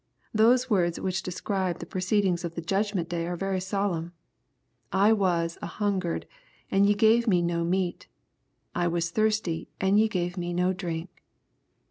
Those words which describe the proceed ings of the Judgment day are very solemn, " I was an hungered and ye gave me no meat, I was thirsty and ye gave me no drink."